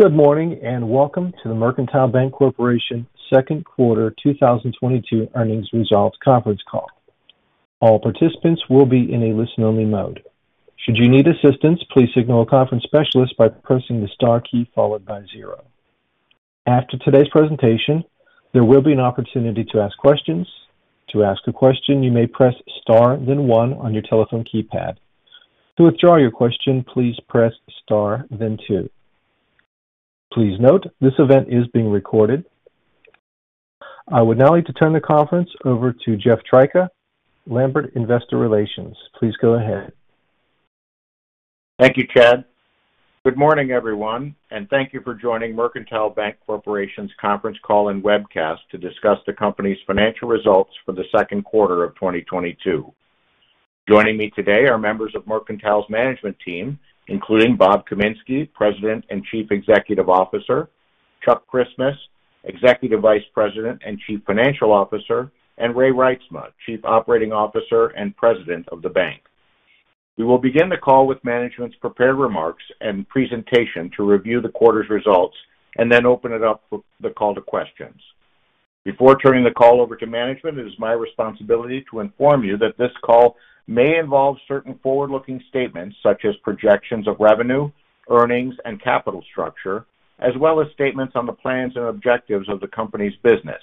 Good morning, and welcome to the Mercantile Bank Corporation second quarter 2022 earnings results conference call. All participants will be in a listen-only mode. Should you need assistance, please signal a conference specialist by pressing the star key followed by zero. After today's presentation, there will be an opportunity to ask questions. To ask a question, you may press star then one on your telephone keypad. To withdraw your question, please press star then two. Please note, this event is being recorded. I would now like to turn the conference over to Jeff Tryka, Lambert Investor Relations. Please go ahead. Thank you, Chad. Good morning, everyone, and thank you for joining Mercantile Bank Corporation's conference call and webcast to discuss the company's financial results for the second quarter of 2022. Joining me today are members of Mercantile's management team, including Bob Kaminski, President and Chief Executive Officer, Chuck Christmas, Executive Vice President and Chief Financial Officer, and Ray Reitsma, Chief Operating Officer and President of the bank. We will begin the call with management's prepared remarks and presentation to review the quarter's results and then open it up for the call to questions. Before turning the call over to management, it is my responsibility to inform you that this call may involve certain forward-looking statements such as projections of revenue, earnings, and capital structure, as well as statements on the plans and objectives of the company's business.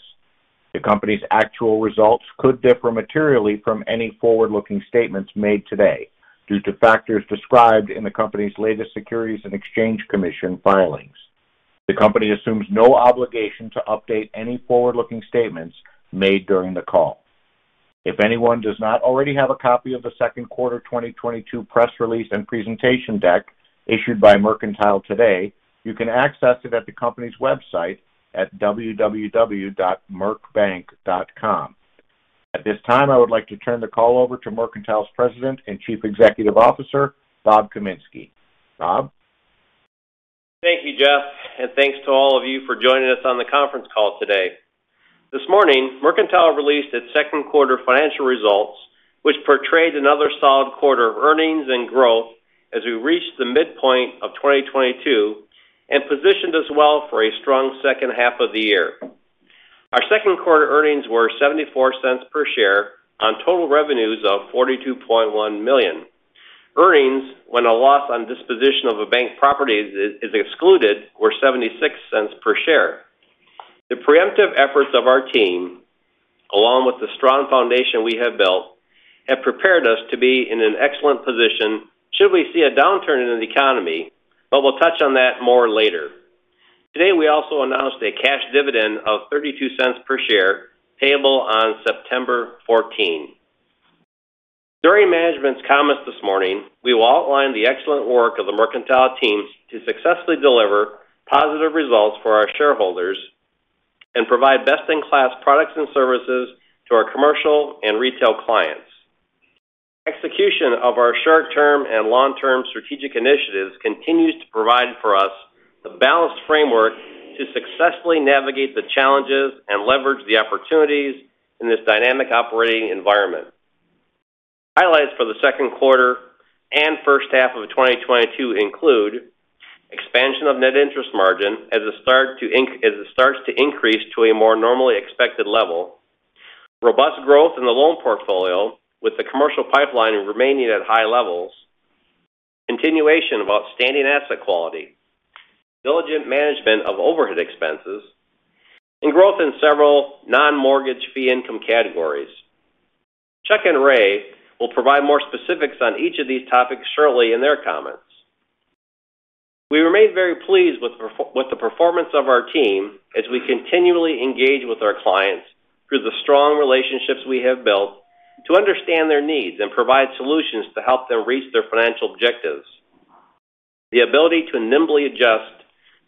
The company's actual results could differ materially from any forward-looking statements made today due to factors described in the company's latest Securities and Exchange Commission filings. The company assumes no obligation to update any forward-looking statements made during the call. If anyone does not already have a copy of the second quarter 2022 press release and presentation deck issued by Mercantile today, you can access it at the company's website at www.mercbank.com. At this time, I would like to turn the call over to Mercantile's President and Chief Executive Officer, Bob Kaminski. Bob? Thank you, Jeff. Thanks to all of you for joining us on the conference call today. This morning, Mercantile released its second quarter financial results, which portrayed another solid quarter of earnings and growth as we reached the midpoint of 2022 and positioned us well for a strong second half of the year. Our second quarter earnings were $0.74 per share on total revenues of $42.1 million. Earnings, when a loss on disposition of a bank property is excluded, were $0.76 per share. The preemptive efforts of our team, along with the strong foundation we have built, have prepared us to be in an excellent position should we see a downturn in the economy, but we'll touch on that more later. Today, we also announced a cash dividend of $0.32 per share, payable on September 14. During management's comments this morning, we will outline the excellent work of the Mercantile team to successfully deliver positive results for our shareholders and provide best-in-class products and services to our commercial and retail clients. Execution of our short-term and long-term strategic initiatives continues to provide for us the balanced framework to successfully navigate the challenges and leverage the opportunities in this dynamic operating environment. Highlights for the second quarter and first half of 2022 include expansion of net interest margin as it starts to increase to a more normally expected level, robust growth in the loan portfolio with the commercial pipeline remaining at high levels, continuation of outstanding asset quality, diligent management of overhead expenses, and growth in several non-mortgage fee income categories. Chuck and Ray will provide more specifics on each of these topics shortly in their comments. We remain very pleased with the performance of our team as we continually engage with our clients through the strong relationships we have built to understand their needs and provide solutions to help them reach their financial objectives. The ability to nimbly adjust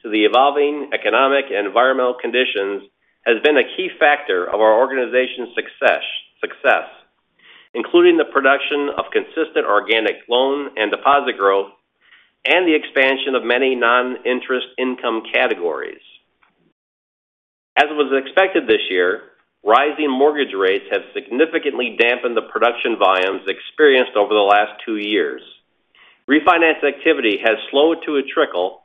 to the evolving economic and environmental conditions has been a key factor of our organization's success, including the production of consistent organic loan and deposit growth and the expansion of many non-interest income categories. As was expected this year, rising mortgage rates have significantly dampened the production volumes experienced over the last two years. Refinance activity has slowed to a trickle,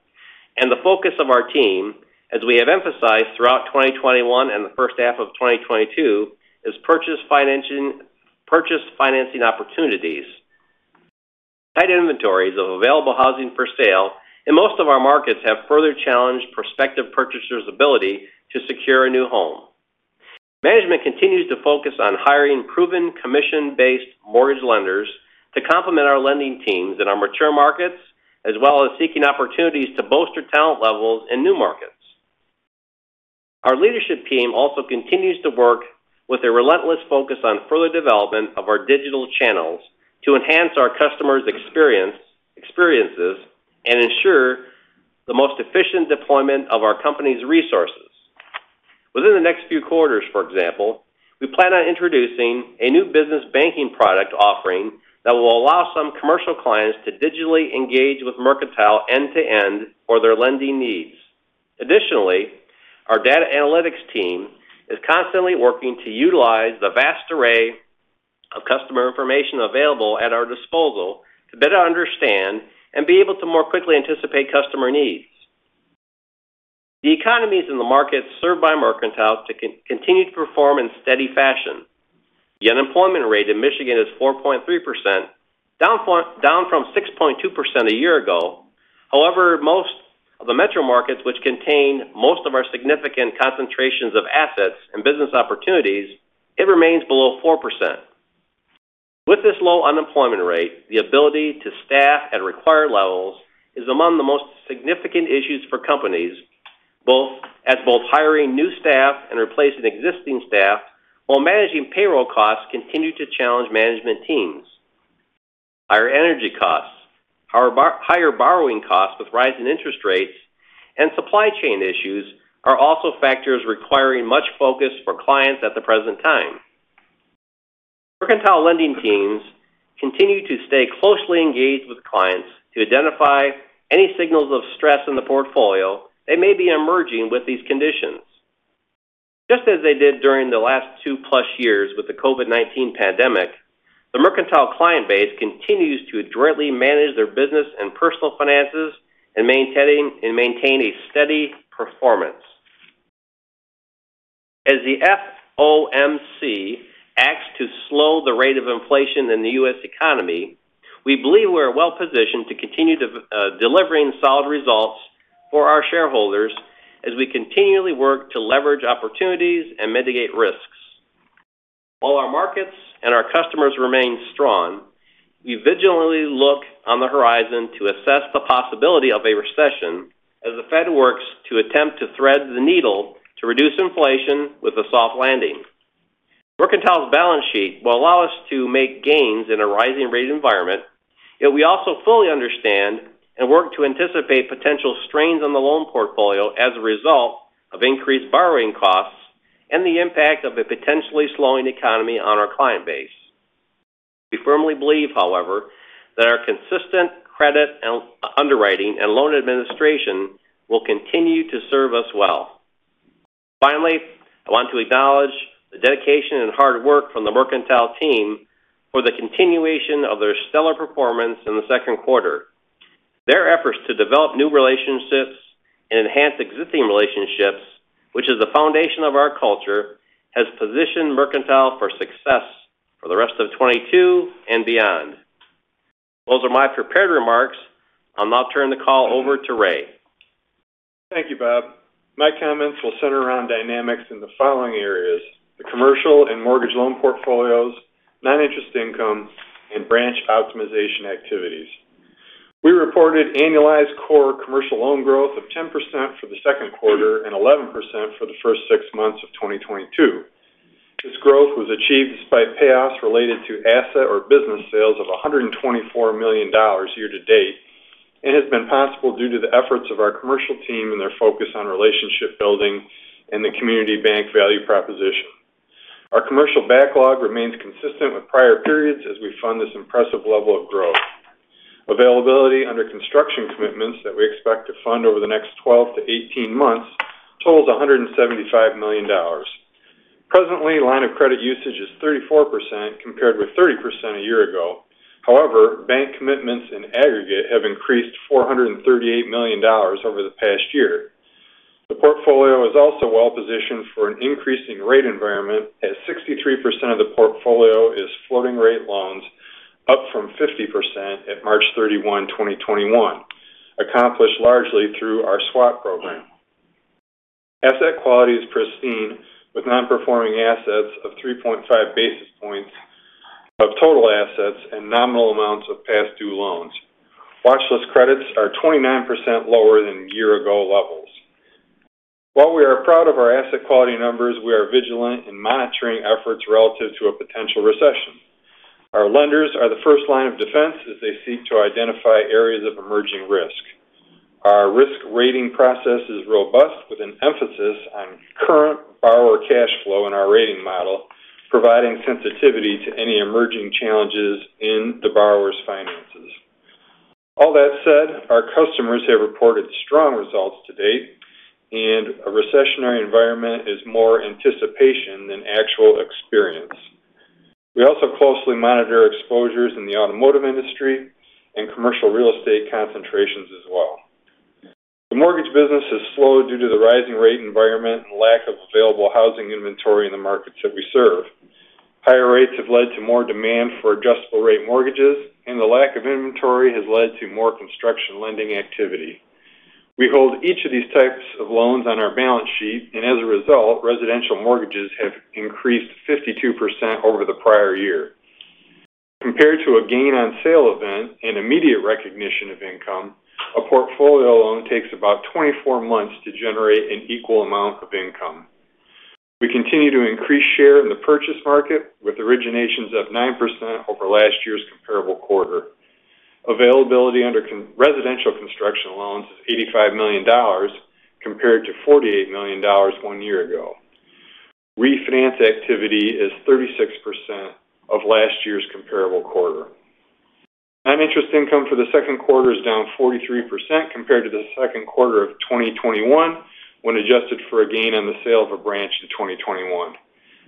and the focus of our team, as we have emphasized throughout 2021 and the first half of 2022, is purchase financing opportunities. Tight inventories of available housing for sale in most of our markets have further challenged prospective purchasers' ability to secure a new home. Management continues to focus on hiring proven commission-based mortgage lenders to complement our lending teams in our mature markets, as well as seeking opportunities to bolster talent levels in new markets. Our leadership team also continues to work with a relentless focus on further development of our digital channels to enhance our customers' experience and ensure the most efficient deployment of our company's resources. Within the next few quarters, for example, we plan on introducing a new business banking product offering that will allow some commercial clients to digitally engage with Mercantile end-to-end for their lending needs. Additionally, our data analytics team is constantly working to utilize the vast array of customer information available at our disposal to better understand and be able to more quickly anticipate customer needs. The economies in the markets served by Mercantile continue to perform in steady fashion. The unemployment rate in Michigan is 4.3%, down from 6.2% a year ago. However, most of the metro markets, which contain most of our significant concentrations of assets and business opportunities, it remains below 4%. With this low unemployment rate, the ability to staff at required levels is among the most significant issues for companies, both hiring new staff and replacing existing staff, while managing payroll costs continue to challenge management teams. Higher energy costs, higher borrowing costs with rising interest rates, and supply chain issues are also factors requiring much focus for clients at the present time. Mercantile lending teams continue to stay closely engaged with clients to identify any signals of stress in the portfolio that may be emerging with these conditions. Just as they did during the last two-plus years with the COVID-19 pandemic, the Mercantile client base continues to adroitly manage their business and personal finances and maintain a steady performance. As the FOMC acts to slow the rate of inflation in the U.S. economy, we believe we're well-positioned to continue delivering solid results for our shareholders as we continually work to leverage opportunities and mitigate risks. While our markets and our customers remain strong, we vigilantly look on the horizon to assess the possibility of a recession as the Fed works to attempt to thread the needle to reduce inflation with a soft landing. Mercantile's balance sheet will allow us to make gains in a rising rate environment, yet we also fully understand and work to anticipate potential strains on the loan portfolio as a result of increased borrowing costs and the impact of a potentially slowing economy on our client base. We firmly believe, however, that our consistent credit and underwriting and loan administration will continue to serve us well. Finally, I want to acknowledge the dedication and hard work from the Mercantile team for the continuation of their stellar performance in the second quarter. Their efforts to develop new relationships and enhance existing relationships, which is the foundation of our culture, has positioned Mercantile for success for the rest of 2022 and beyond. Those are my prepared remarks. I'll now turn the call over to Ray. Thank you, Bob. My comments will center around dynamics in the following areas, the commercial and mortgage loan portfolios, non-interest income, and branch optimization activities. We reported annualized core commercial loan growth of 10% for the second quarter and 11% for the first six months of 2022. This growth was achieved despite payoffs related to asset or business sales of $124 million year to date, and has been possible due to the efforts of our commercial team and their focus on relationship building and the community bank value proposition. Our commercial backlog remains consistent with prior periods as we fund this impressive level of growth. Availability under construction commitments that we expect to fund over the next 12-18 months totals $175 million. Presently, line of credit usage is 34%, compared with 30% a year ago. However, bank commitments in aggregate have increased $438 million over the past year. The portfolio is also well positioned for an increasing rate environment, as 63% of the portfolio is floating-rate loans, up from 50% at March 31, 2021, accomplished largely through our swap program. Asset quality is pristine, with non-performing assets of 3.5 basis points of total assets and nominal amounts of past due loans. Watch list credits are 29% lower than year-ago levels. While we are proud of our asset quality numbers, we are vigilant in monitoring efforts relative to a potential recession. Our lenders are the first line of defense as they seek to identify areas of emerging risk. Our risk rating process is robust, with an emphasis on current borrower cash flow in our rating model, providing sensitivity to any emerging challenges in the borrower's finances. All that said, our customers have reported strong results to date, and a recessionary environment is more anticipation than actual experience. We also closely monitor exposures in the automotive industry and commercial real estate concentrations as well. The mortgage business has slowed due to the rising rate environment and lack of available housing inventory in the markets that we serve. Higher rates have led to more demand for adjustable-rate mortgages, and the lack of inventory has led to more construction lending activity. We hold each of these types of loans on our balance sheet, and as a result, residential mortgages have increased 52% over the prior year. Compared to a gain on sale event and immediate recognition of income, a portfolio loan takes about 24 months to generate an equal amount of income. We continue to increase share in the purchase market, with originations up 9% over last year's comparable quarter. Availability under residential construction loans is $85 million compared to $48 million one year ago. Refinance activity is 36% of last year's comparable quarter. Net interest income for the second quarter is down 43% compared to the second quarter of 2021 when adjusted for a gain on the sale of a branch in 2021.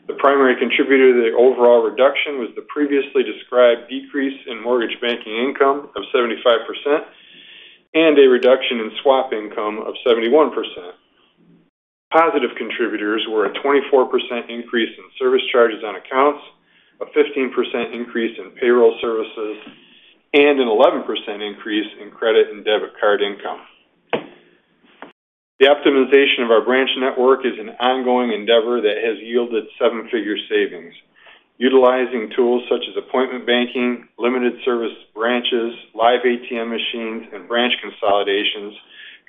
The primary contributor to the overall reduction was the previously described decrease in mortgage banking income of 75% and a reduction in swap income of 71%. Positive contributors were a 24% increase in service charges on accounts, a 15% increase in payroll services, and an 11% increase in credit and debit card income. The optimization of our branch network is an ongoing endeavor that has yielded seven-figure savings. Utilizing tools such as appointment banking, limited service branches, live ATM machines, and branch consolidations,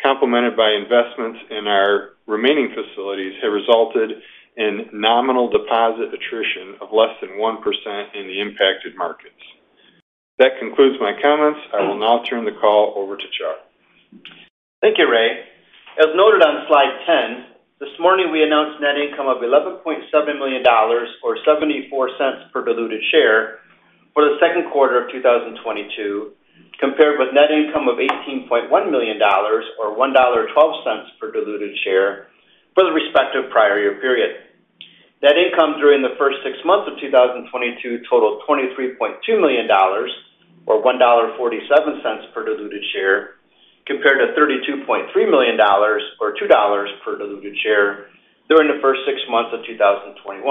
complemented by investments in our remaining facilities, have resulted in nominal deposit attrition of less than 1% in the impacted markets. That concludes my comments. I will now turn the call over to Chuck. Thank you, Ray. As noted on slide 10, this morning we announced net income of $11.7 million or $0.74 per diluted share for the second quarter of 2022, compared with net income of $18.1 million or $1.12 per diluted share for the respective prior year period. Net income during the first six months of 2022 totaled $23.2 million or $1.47 per diluted share, compared to $32.3 million or $2 per diluted share during the first six months of 2021.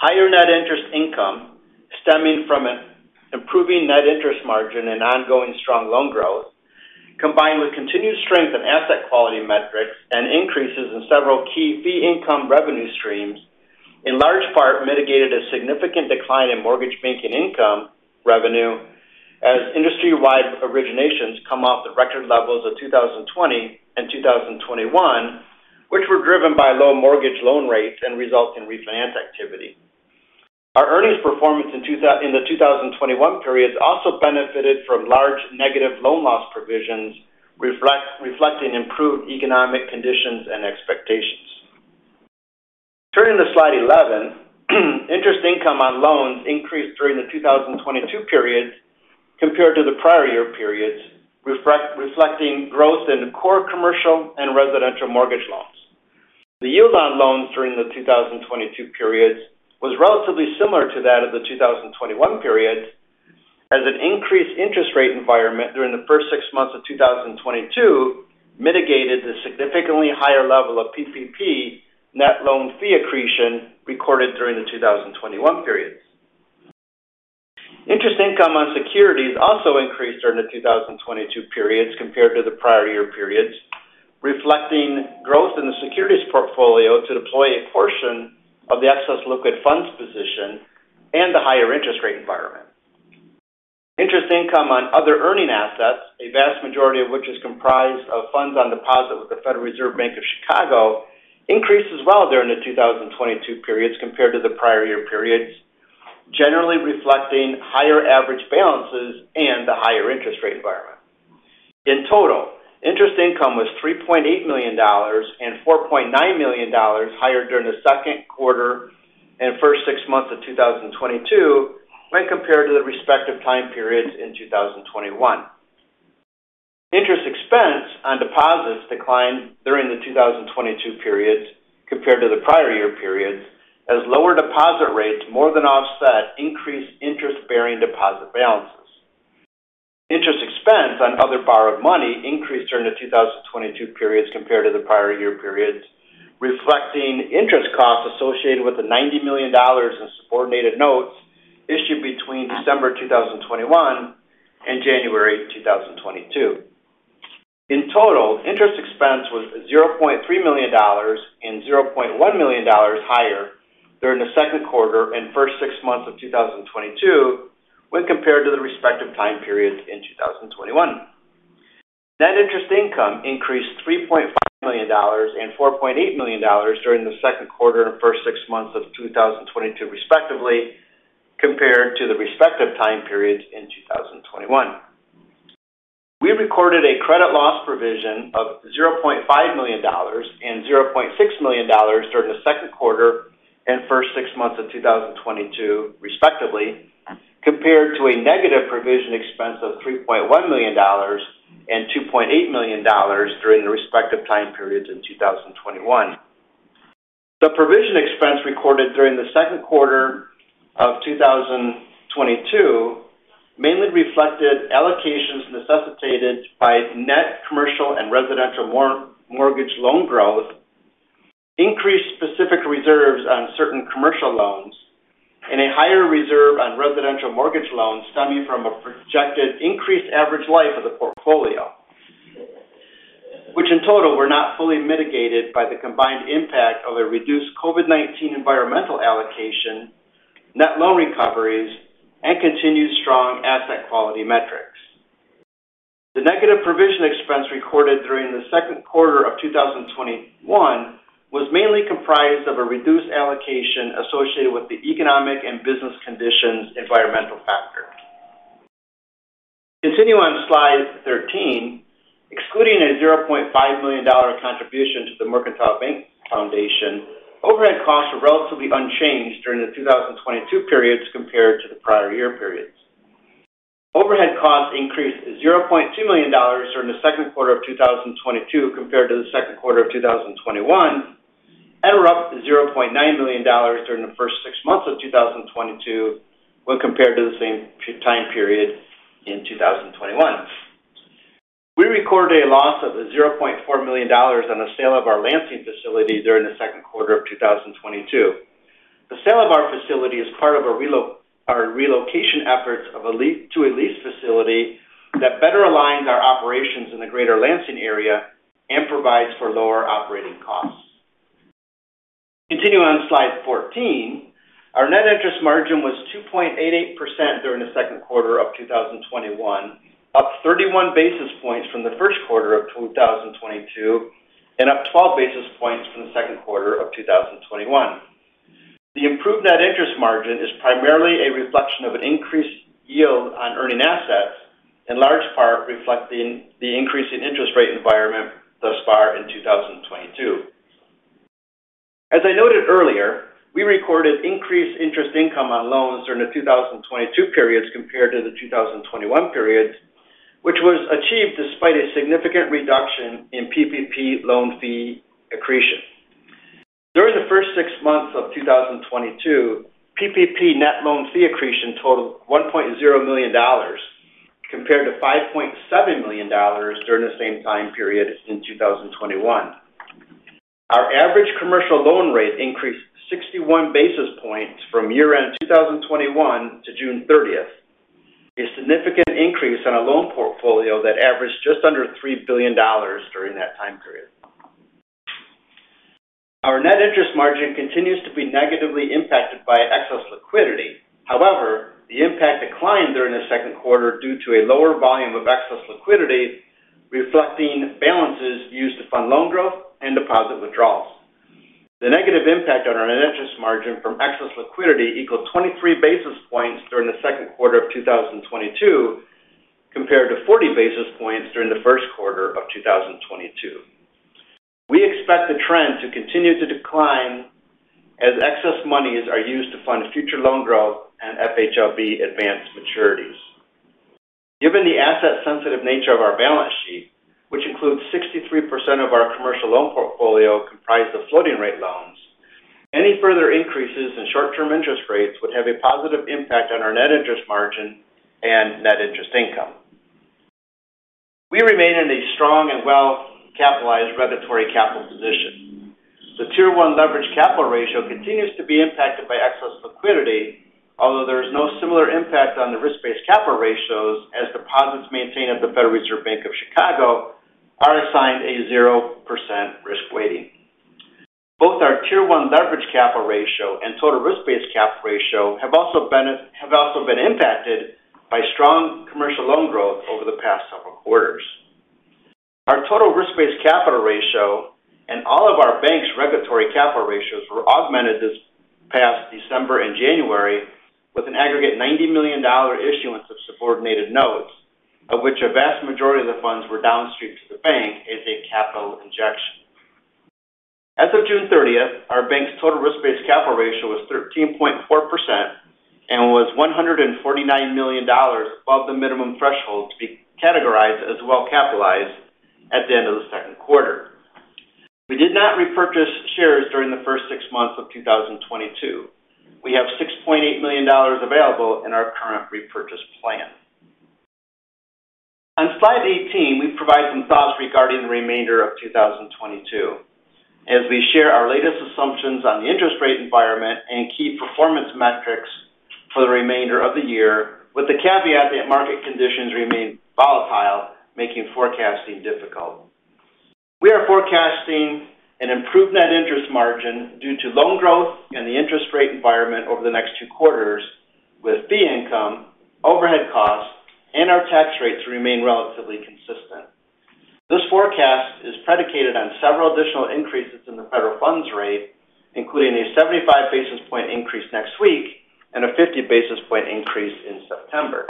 Higher net interest income stemming from an improving net interest margin and ongoing strong loan growth, combined with continued strength in asset quality metrics and increases in several key fee income revenue streams, in large part mitigated a significant decline in mortgage banking income revenue as industry-wide originations come off the record levels of 2020 and 2021, which were driven by low mortgage loan rates and results in refinance activity. Our earnings performance in the 2021 periods also benefited from large negative loan loss provisions reflecting improved economic conditions and expectations. Turning to slide 11, interest income on loans increased during the 2022 periods compared to the prior year periods, reflecting growth in core commercial and residential mortgage loans. The yield on loans during the 2022 periods was relatively similar to that of the 2021 periods, as an increased interest rate environment during the first six months of 2022 mitigated the significantly higher level of PPP net loan fee accretion recorded during the 2021 periods. Interest income on securities also increased during the 2022 periods compared to the prior year periods, reflecting growth in the securities portfolio to deploy a portion of the excess liquid funds position and the higher interest rate environment. Interest income on other earning assets, a vast majority of which is comprised of funds on deposit with the Federal Reserve Bank of Chicago, increased as well during the 2022 periods compared to the prior year periods, generally reflecting higher average balances and the higher interest rate environment. In total, interest income was $3.8 million and $4.9 million higher during the second quarter and first six months of 2022 when compared to the respective time periods in 2021. Interest expense on deposits declined during the 2022 periods compared to the prior year periods, as lower deposit rates more than offset increased interest-bearing deposit balances. Interest expense on other borrowed money increased during the 2022 periods compared to the prior year periods, reflecting interest costs associated with the $90 million in subordinated notes issued between December 2021 and January 2022. In total, interest expense was $0.3 million and $0.1 million higher during the second quarter and first six months of 2022 when compared to the respective time periods in 2021. Net interest income increased $3.5 million and $4.8 million during the second quarter and first six months of 2022 respectively, compared to the respective time periods in 2021. We recorded a credit loss provision of $0.5 million and $0.6 million during the second quarter and first six months of 2022 respectively, compared to a negative provision expense of $3.1 million and $2.8 million during the respective time periods in 2021. The provision expense recorded during the second quarter of 2022 mainly reflected allocations necessitated by net commercial and residential mortgage loan growth, increased specific reserves on certain commercial loans, and a higher reserve on residential mortgage loans stemming from a projected increased average life of the portfolio. Which in total were not fully mitigated by the combined impact of a reduced COVID-19 environmental allocation, net loan recoveries, and continued strong asset quality metrics. The negative provision expense recorded during the second quarter of 2021 was mainly comprised of a reduced allocation associated with the economic and business conditions environmental factor. Continue on slide 13. Excluding a $0.5 million contribution to the Mercantile Bank Foundation, overhead costs were relatively unchanged during the 2022 periods compared to the prior year periods. Overhead costs increased $0.2 million during the second quarter of 2022 compared to the second quarter of 2021, and were up $0.9 million during the first six months of 2022 when compared to the same time period in 2021. We recorded a loss of $0.4 million on the sale of our Lansing facility during the second quarter of 2022. The sale of our facility is part of our relocation efforts to a leased facility that better aligns our operations in the greater Lansing area and provides for lower operating costs. Continuing on slide 14. Our net interest margin was 2.88% during the second quarter of 2021, up 31 basis points from the first quarter of 2022, and up 12 basis points from the second quarter of 2021. The improved net interest margin is primarily a reflection of an increased yield on earning assets, in large part reflecting the increase in interest rate environment thus far in 2022. As I noted earlier, we recorded increased interest income on loans during the 2022 periods compared to the 2021 periods, which was achieved despite a significant reduction in PPP loan fee accretion. During the first six months of 2022, PPP net loan fee accretion totaled $1.0 million, compared to $5.7 million during the same time period in 2021. Our average commercial loan rate increased 61 basis points from year-end 2021 to June 30th, a significant increase on a loan portfolio that averaged just under $3 billion during that time period. Our net interest margin continues to be negatively impacted by excess liquidity. However, the impact declined during the second quarter due to a lower volume of excess liquidity, reflecting balances used to fund loan growth and deposit withdrawals. The negative impact on our net interest margin from excess liquidity equals 23 basis points during the second quarter of 2022, compared to 40 basis points during the first quarter of 2022. We expect the trend to continue to decline as excess monies are used to fund future loan growth and FHLB advance maturities. Given the asset sensitive nature of our balance sheet, which includes 63% of our commercial loan portfolio comprised of floating rate loans, any further increases in short-term interest rates would have a positive impact on our net interest margin and net interest income. We remain in a strong and well-capitalized regulatory capital position. The Tier 1 leverage capital ratio continues to be impacted by excess liquidity, although there is no similar impact on the risk-based capital ratios as deposits maintained at the Federal Reserve Bank of Chicago are assigned a 0% risk weighting. Both our Tier 1 leverage capital ratio and total risk-based capital ratio have also been impacted by strong commercial loan growth over the past several quarters. Our total risk-based capital ratio and all of our bank's regulatory capital ratios were augmented this past December and January with an aggregate $90 million issuance of subordinated notes, of which a vast majority of the funds were downstream to the bank as a capital injection. As of June 30th, our bank's total risk-based capital ratio was 13.4% and was $149 million above the minimum threshold to be categorized as well-capitalized at the end of the second quarter. We did not repurchase shares during the first six months of 2022. We have $6.8 million available in our current repurchase plan. On slide 18, we provide some thoughts regarding the remainder of 2022 as we share our latest assumptions on the interest rate environment and key performance metrics for the remainder of the year, with the caveat that market conditions remain volatile, making forecasting difficult. We are forecasting an improved net interest margin due to loan growth and the interest rate environment over the next two quarters with fee income, overhead costs, and our tax rates remain relatively consistent. This forecast is predicated on several additional increases in the federal funds rate, including a 75 basis point increase next week and a 50 basis point increase in September.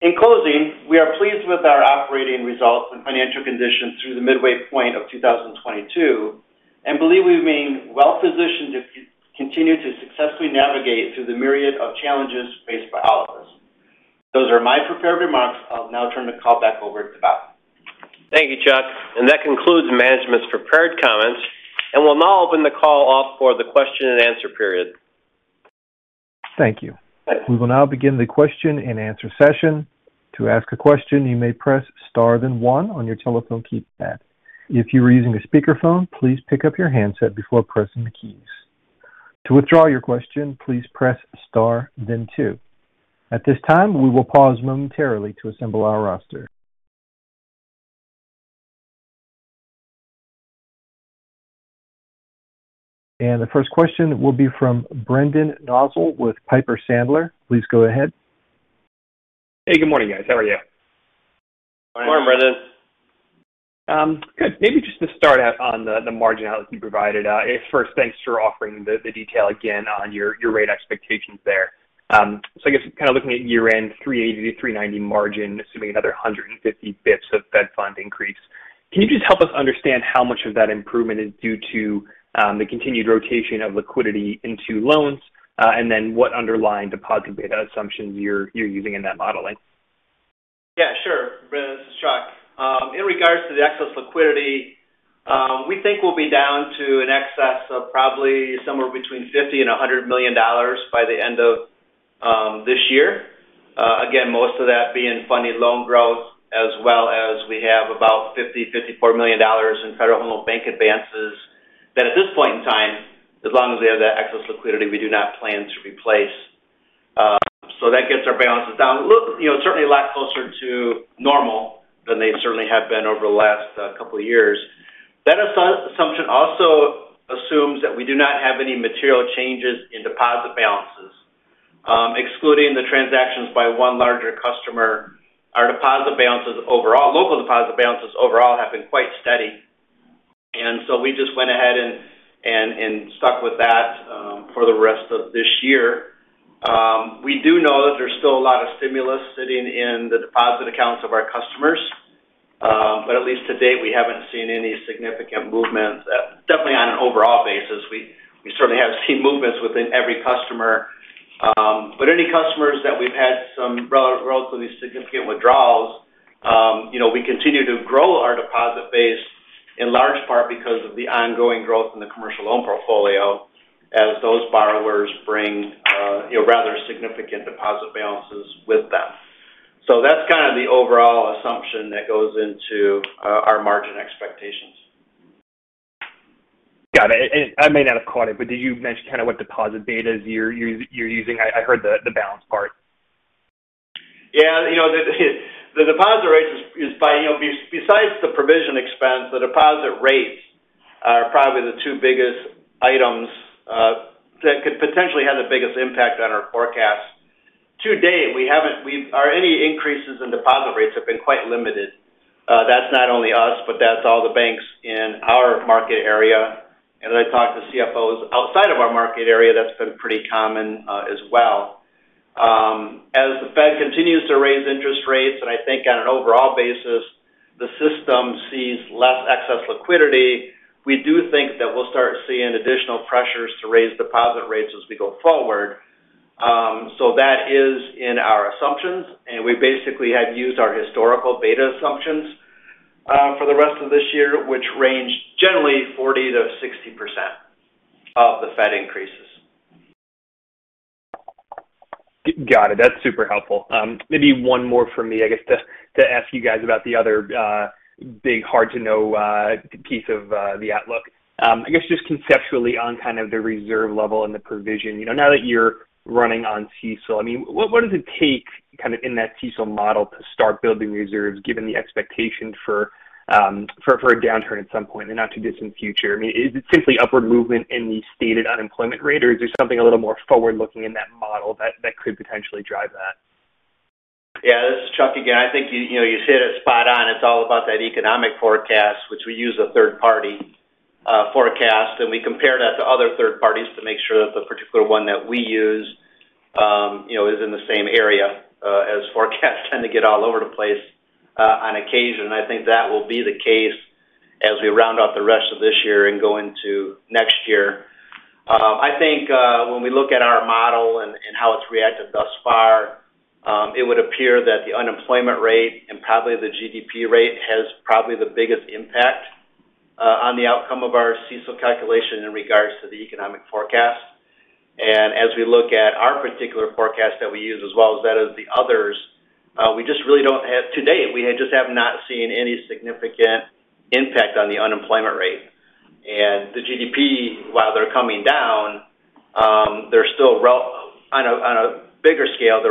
In closing, we are pleased with our operating results and financial conditions through the midway point of 2022 and believe we remain well-positioned to continue to successfully navigate through the myriad of challenges faced by all of us. Those are my prepared remarks. I'll now turn the call back over to Bob. Thank you, Chuck. That concludes management's prepared comments. We'll now open the call up for the question and answer period. Thank you. We will now begin the question and answer session. To ask a question, you may press star then one on your telephone keypad. If you are using a speakerphone, please pick up your handset before pressing the keys. To withdraw your question, please press star then two. At this time, we will pause momentarily to assemble our roster. The first question will be from Brendan Nosal with Piper Sandler. Please go ahead. Hey, good morning, guys. How are you? Good morning, Brendan. Good. Maybe just to start out on the margin outlook you provided. First, thanks for offering the detail again on your rate expectations there. I guess kind of looking at year-end 3.80%-3.90% margin, assuming another 150 basis points of federal funds rate increase. Can you just help us understand how much of that improvement is due to the continued rotation of liquidity into loans, and then what underlying deposit beta assumptions you're using in that modeling? Yeah, sure. Brendan, this is Chuck. In regards to the excess liquidity, we think we'll be down to an excess of probably somewhere between $50 million and $100 million by the end of this year. Again, most of that being funded loan growth, as well as we have about $50 million, $54 million in Federal Home Loan Bank advances that at this point in time, as long as they have that excess liquidity, we do not plan to replace. That gets our balances down a little, you know, certainly a lot closer to normal than they certainly have been over the last couple of years. That assumption also assumes that we do not have any material changes in deposit balances. Excluding the transactions by one larger customer, our deposit balances overall, local deposit balances overall have been quite steady, and we just went ahead and stuck with that for the rest of this year. We do know that there's still a lot of stimulus sitting in the deposit accounts of our customers. At least to date, we haven't seen any significant movement. Definitely on an overall basis. We certainly have seen movements within every customer. Any customers that we've had some relatively significant withdrawals, you know, we continue to grow our deposit base in large part because of the ongoing growth in the commercial loan portfolio as those borrowers bring, you know, rather significant deposit balances with them. That's kind of the overall assumption that goes into our margin expectations. Got it. I may not have caught it, but did you mention kind of what deposit betas you're using? I heard the balance part. You know, the deposit rates, besides the provision expense, are probably the two biggest items that could potentially have the biggest impact on our forecast. To date, any increases in deposit rates have been quite limited. That's not only us, but that's all the banks in our market area. As I talk to CFOs outside of our market area, that's been pretty common as well. As the Fed continues to raise interest rates, and I think on an overall basis, the system sees less excess liquidity, we do think that we'll start seeing additional pressures to raise deposit rates as we go forward. That is in our assumptions. We basically have used our historical beta assumptions for the rest of this year, which range generally 40%-60% of the Fed increases. Got it. That's super helpful. Maybe one more from me, I guess to ask you guys about the other big hard to know piece of the outlook. I guess just conceptually on kind of the reserve level and the provision. You know, now that you're running on CECL, I mean, what does it take kind of in that CECL model to start building reserves given the expectation for a downturn at some point in the not too distant future? I mean, is it simply upward movement in the stated unemployment rate, or is there something a little more forward-looking in that model that could potentially drive that? Yeah, this is Chuck again. I think you know you hit it spot on. It's all about that economic forecast, which we use a third party forecast, and we compare that to other third parties to make sure that the particular one that we use, you know, is in the same area, as forecasts tend to get all over the place, on occasion. I think that will be the case as we round out the rest of this year and go into next year. I think when we look at our model and how it's reacted thus far, it would appear that the unemployment rate and probably the GDP rate has probably the biggest impact, on the outcome of our CECL calculation in regards to the economic forecast. As we look at our particular forecast that we use as well as that of the others, to date, we just have not seen any significant impact on the unemployment rate. The GDP, while they're coming down, they're still relatively unchanged on a bigger scale.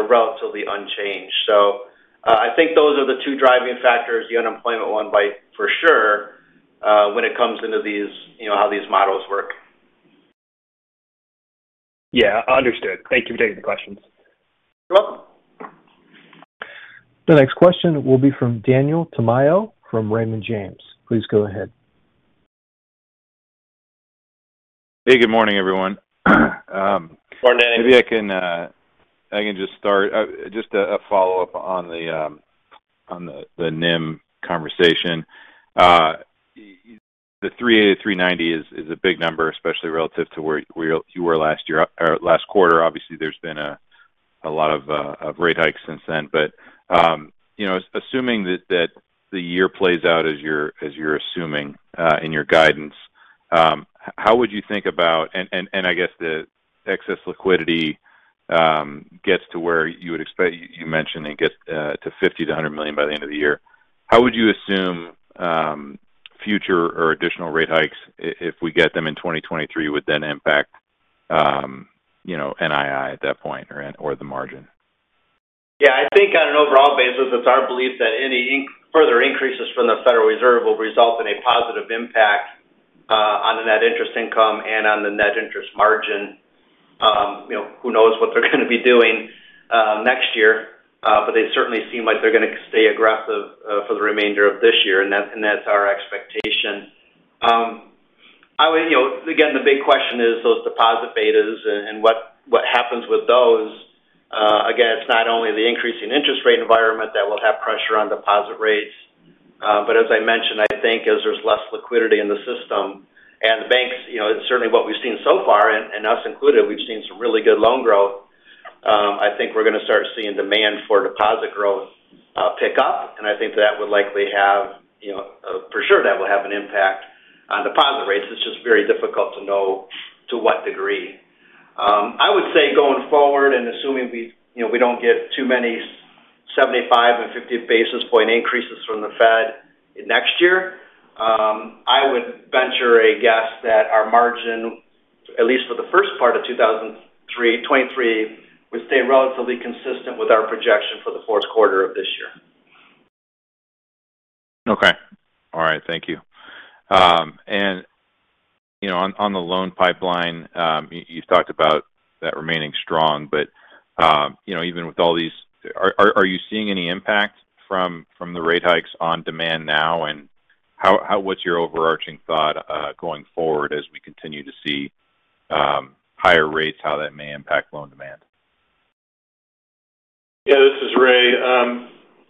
I think those are the two driving factors, the unemployment one by far for sure, when it comes to these, you know, how these models work. Yeah, understood. Thank you for taking the questions. You're welcome. The next question will be from Daniel Tamayo from Raymond James. Please go ahead. Hey, good morning, everyone. Good morning, Danny. Maybe I can just start a follow-up on the NIM conversation. The 3.80%-3.90% is a big number, especially relative to where you were last year or last quarter. Obviously, there's been a lot of rate hikes since then. You know, assuming that the year plays out as you're assuming in your guidance, how would you think about, and I guess the excess liquidity gets to where you would expect. You mentioned it gets to $50 million-$100 million by the end of the year. How would you assume future or additional rate hikes if we get them in 2023 would then impact, you know, NII at that point or the margin? Yeah. I think on an overall basis, it's our belief that any further increases from the Federal Reserve will result in a positive impact on net interest income and on the net interest margin. You know, who knows what they're going to be doing next year. They certainly seem like they're going to stay aggressive for the remainder of this year, and that's our expectation. You know, again, the big question is those deposit betas and what happens with those. Again, it's not only the increasing interest rate environment that will have pressure on deposit rates. As I mentioned, I think as there's less liquidity in the system and the banks, you know, it's certainly what we've seen so far, and us included, we've seen some really good loan growth. I think we're going to start seeing demand for deposit growth pick up, and I think that would likely have, you know, for sure that will have an impact on deposit rates. It's just very difficult to know to what degree. I would say going forward and assuming we, you know, we don't get too many 75 basis point and 50 basis point increases from the Fed next year, I would venture a guess that our margin, at least for the first part of 2023, would stay relatively consistent with our projection for the fourth quarter of this year. Okay. All right. Thank you. You know, on the loan pipeline, you talked about that remaining strong. You know, are you seeing any impact from the rate hikes on demand now? What's your overarching thought going forward as we continue to see higher rates, how that may impact loan demand? Yeah, this is Ray.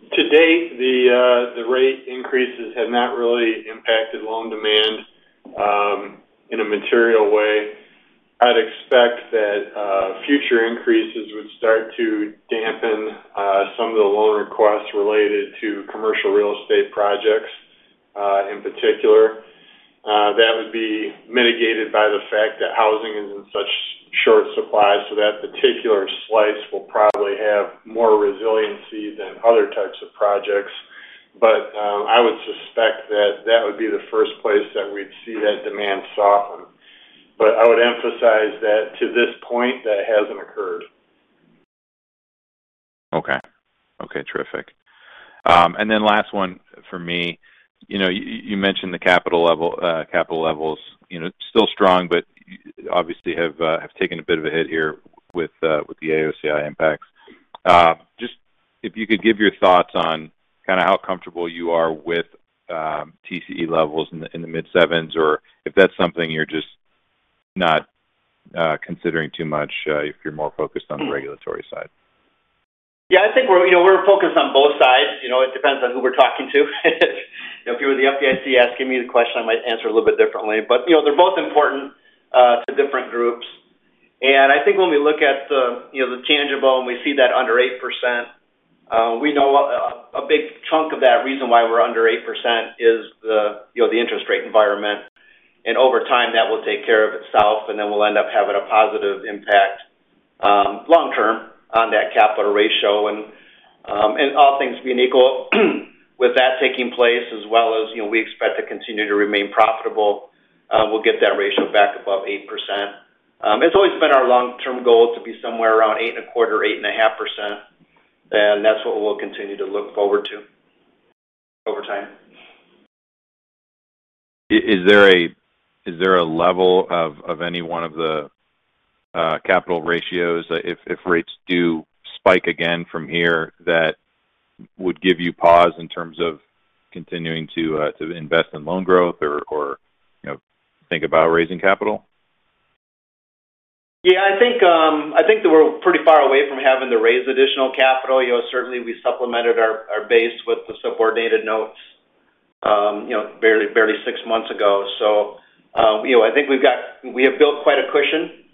To date, the rate increases have not really impacted loan demand in a material way. I'd expect that future increases would start to dampen some of the loan requests related to commercial real estate projects in particular. That would be mitigated by the fact that housing is in such short supply, so that particular slice will probably have more resiliency than other types of projects. I would suspect that that would be the first place that we'd see that demand soften. I would emphasize that to this point, that hasn't occurred. Okay. Okay. Terrific. Last one for me. You know, you mentioned the capital levels, you know, still strong, but obviously have taken a bit of a hit here with the AOCI impacts. Just if you could give your thoughts on kind of how comfortable you are with TCE levels in the mid-sevens, or if that's something you're just not considering too much, if you're more focused on the regulatory side. Yeah. I think we're, you know, we're focused on both sides. You know, it depends on who we're talking to. You know, if you were the FDIC asking me the question, I might answer a little bit differently. You know, they're both important to different groups. I think when we look at the, you know, the tangible and we see that under 8%, we know a big chunk of that reason why we're under 8% is the, you know, the interest rate environment. Over time, that will take care of itself, and then we'll end up having a positive impact long term on that capital ratio. All things being equal, with that taking place as well as, you know, we expect to continue to remain profitable, we'll get that ratio back above 8%. It's always been our long-term goal to be somewhere around 8.25%-8.5%, and that's what we'll continue to look forward to over time. Is there a level of any one of the capital ratios if rates do spike again from here that would give you pause in terms of continuing to invest in loan growth or, you know, think about raising capital? Yeah, I think that we're pretty far away from having to raise additional capital. You know, certainly we supplemented our base with the subordinated notes, you know, barely six months ago. I think we have built quite a cushion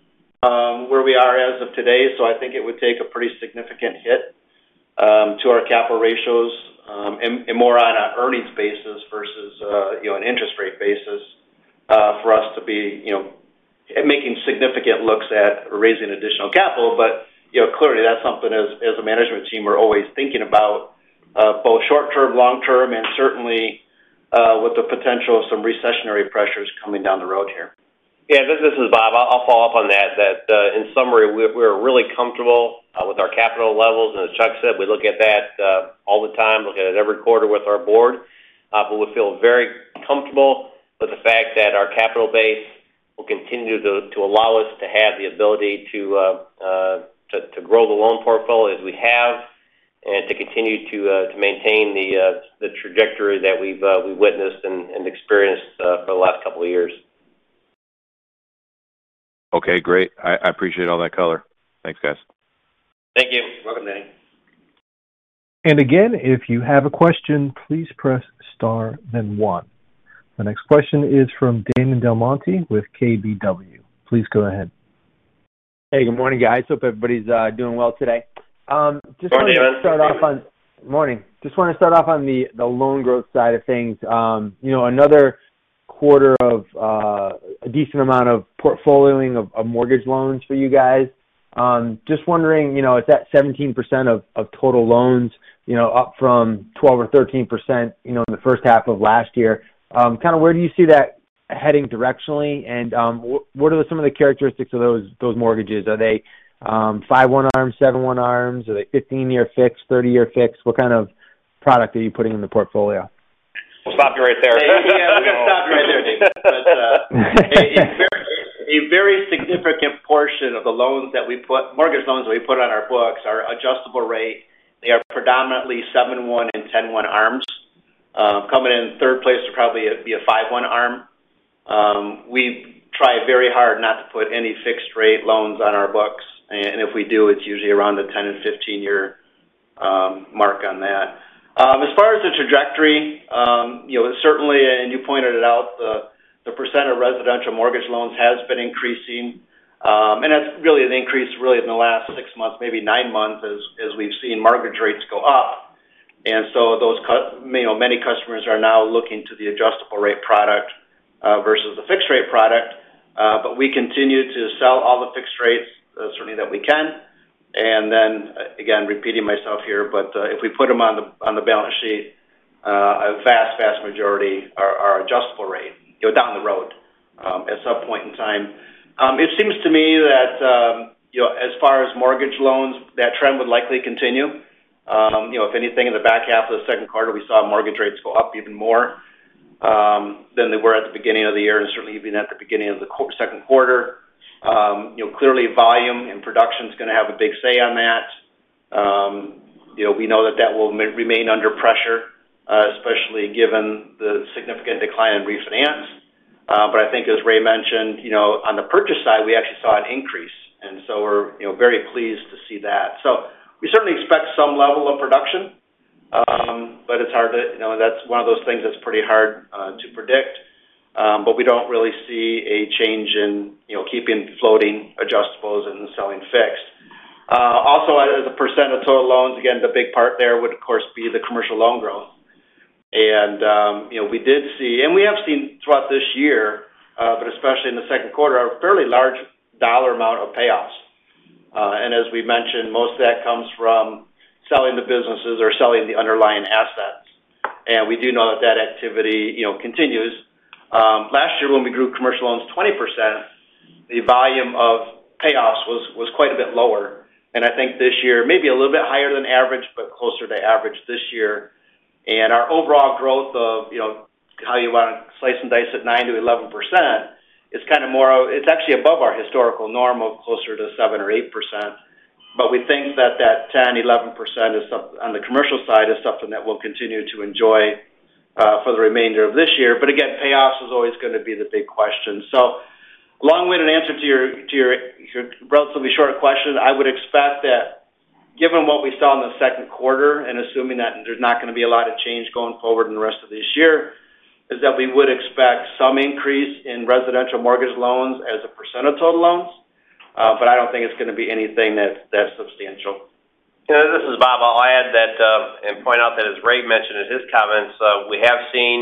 where we are as of today. I think it would take a pretty significant hit to our capital ratios, and more on an earnings basis versus an interest rate basis for us to be making significant looks at raising additional capital. You know, clearly, that's something as a management team, we're always thinking about both short-term, long-term, and certainly with the potential of some recessionary pressures coming down the road here. Yeah, this is Bob. I'll follow up on that in summary, we're really comfortable with our capital levels. As Chuck said, we look at that all the time. Look at it every quarter with our board. We feel very comfortable with the fact that our capital base will continue to allow us to have the ability to grow the loan portfolio as we have and to continue to maintain the trajectory that we've witnessed and experienced for the last couple of years. Okay, great. I appreciate all that color. Thanks, guys. Thank you. Welcome, Danny. Again, if you have a question, please press star then one. The next question is from Damon DelMonte with KBW. Please go ahead. Hey, good morning, guys. Hope everybody's doing well today. Just wanted to start off on- Morning, Damon. Morning. Just want to start off on the loan growth side of things. You know, another quarter of a decent amount of portfolioing of mortgage loans for you guys. Just wondering, you know, it's that 17% of total loans, you know, up from 12% or 13%, you know, in the first half of last year. Kind of where do you see that heading directionally? What are some of the characteristics of those mortgages? Are they 5/1 ARMs, 7/1 ARMs? Are they 15-year fixed, 30-year fixed? What kind of product that you're putting in the portfolio? We'll stop you right there. Yeah, we're gonna stop you right there, Damon. A very significant portion of the mortgage loans that we put on our books are adjustable rate. They are predominantly 7/1 ARMs and 10/1 ARMs. Coming in third place would probably be a 5/1 ARM. We try very hard not to put any fixed rate loans on our books, and if we do, it's usually around the 10-year and 15-year mark on that. As far as the trajectory, you know, certainly, you pointed it out, the percent of residential mortgage loans has been increasing, and that's really an increase really in the last six months, maybe nine months as we've seen mortgage rates go up. You know, many customers are now looking to the adjustable rate product versus the fixed rate product. We continue to sell all the fixed rates certainly that we can. Again, repeating myself here, but if we put them on the balance sheet, a vast majority are adjustable rate, you know, down the road at some point in time. It seems to me that, you know, as far as mortgage loans, that trend would likely continue. You know, if anything in the back half of the second quarter, we saw mortgage rates go up even more than they were at the beginning of the year and certainly even at the beginning of the second quarter. You know, clearly volume and production is going to have a big say on that. You know, we know that will remain under pressure, especially given the significant decline in refinance. I think as Ray mentioned, you know, on the purchase side, we actually saw an increase. We're, you know, very pleased to see that. We certainly expect some level of production. It's hard to predict. You know, that's one of those things that's pretty hard to predict. We don't really see a change in, you know, keeping floating adjustables and selling fixed. Also as a percent of total loans, again, the big part there would of course be the commercial loan growth. You know, we did see, and we have seen throughout this year, but especially in the second quarter, a fairly large dollar amount of payoffs. As we mentioned, most of that comes from selling the businesses or selling the underlying assets. We do know that that activity, you know, continues. Last year, when we grew commercial loans 20%, the volume of payoffs was quite a bit lower. I think this year, maybe a little bit higher than average, but closer to average this year. Our overall growth of, you know, how you want to slice and dice it, 9%-11% is actually above our historical norm of closer to 7% or 8%. We think that 10%, 11% on the commercial side is something that we'll continue to enjoy for the remainder of this year. Again, payoffs is always going to be the big question. Long-winded answer to your relatively short question. I would expect that given what we saw in the second quarter and assuming that there's not going to be a lot of change going forward in the rest of this year, we would expect some increase in residential mortgage loans as a percent of total loans. But I don't think it's going to be anything that's that substantial. You know, this is Bob. I'll add that and point out that as Ray mentioned in his comments, we have seen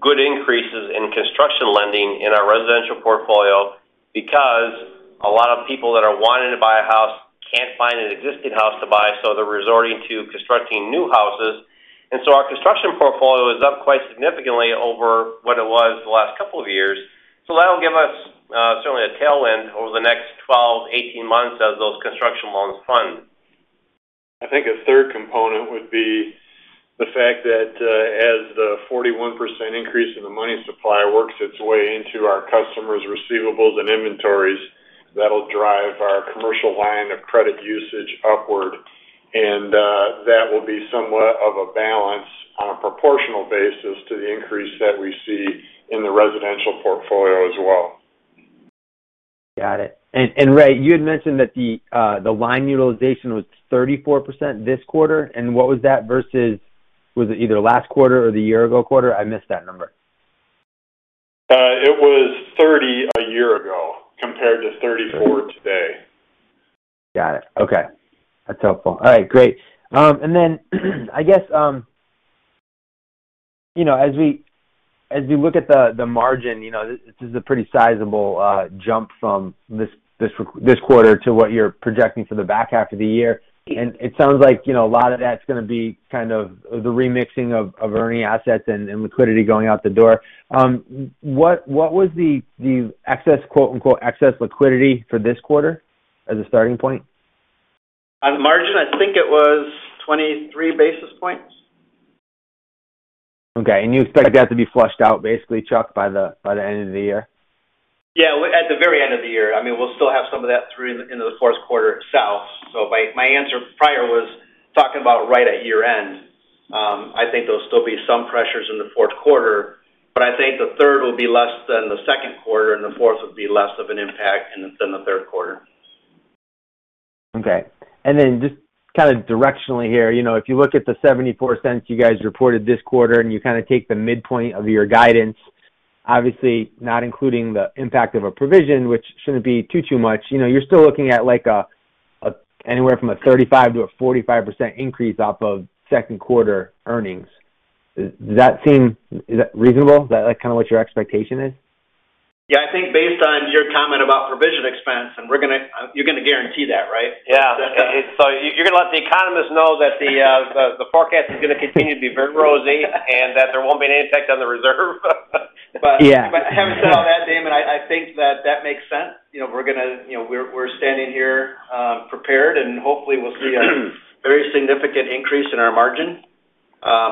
good increases in construction lending in our residential portfolio because a lot of people that are wanting to buy a house can't find an existing house to buy, so they're resorting to constructing new houses. Our construction portfolio is up quite significantly over what it was the last couple of years. That'll give us certainly a tailwind over the next 12-18 months as those construction loans fund. I think a third component would be the fact that, as the 41% increase in the money supply works its way into our customers' receivables and inventories, that'll drive our commercial line of credit usage upward. That will be somewhat of a balance on a proportional basis to the increase that we see in the residential portfolio as well. Got it. Ray, you had mentioned that the line utilization was 34% this quarter. What was that versus, was it either last quarter or the year ago quarter? I missed that number. It was 30% a year ago compared to 34% today. Got it. Okay. That's helpful. All right, great. Then I guess, you know, as we look at the margin, you know, this is a pretty sizable jump from this quarter to what you're projecting for the back half of the year. It sounds like, you know, a lot of that's going to be kind of the remixing of earning assets and liquidity going out the door. What was the excess, "excess liquidity" for this quarter as a starting point? On the margin, I think it was 23 basis points. Okay. You expect that to be flushed out basically, Chuck, by the end of the year? Yeah. At the very end of the year. I mean, we'll still have some of that through into the fourth quarter itself. My answer prior was talking about right at year-end. I think there'll still be some pressures in the fourth quarter, but I think the third will be less than the second quarter, and the fourth will be less of an impact than the third quarter. Okay. Just kind of directionally here, you know, if you look at the $0.74 you guys reported this quarter and you kind of take the midpoint of your guidance, obviously not including the impact of a provision, which shouldn't be too much. You know, you're still looking at like a anywhere from a 35%-45% increase off of second quarter earnings. Is that reasonable? Is that, like, kind of what your expectation is? Yeah. I think based on your comment about provision expense, you're gonna guarantee that, right? Yeah. You're going to let the economists know that the forecast is going to continue to be very rosy and that there won't be any impact on the reserve. Yeah. Having said all that, Damon, I think that makes sense. You know, we're gonna. You know, we're standing here prepared, and hopefully we'll see a very significant increase in our margin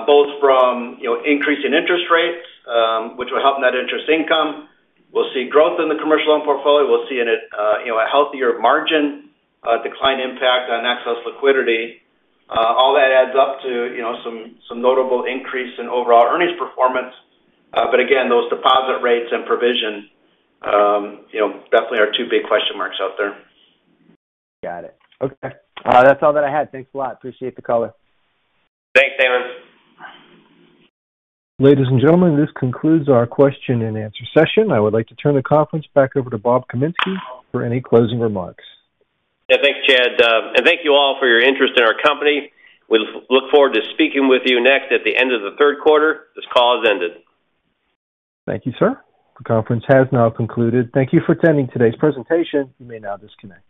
both from increase in interest rates which will help net interest income. We'll see growth in the commercial loan portfolio. We'll see a healthier margin, declining impact on excess liquidity. All that adds up to, you know, some notable increase in overall earnings performance. Again, those deposit rates and provision, you know, definitely are two big question marks out there. Got it. Okay. That's all that I had. Thanks a lot. Appreciate the color. Thanks, Damon. Ladies and gentlemen, this concludes our question and answer session. I would like to turn the conference back over to Bob Kaminski for any closing remarks. Yeah. Thanks, Chad. Thank you all for your interest in our company. We look forward to speaking with you next at the end of the third quarter. This call has ended. Thank you, sir. The conference has now concluded. Thank you for attending today's presentation. You may now disconnect.